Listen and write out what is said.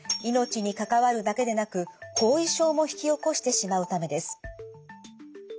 命に関わるだけでなく後遺症も引き起こしてしまうためです。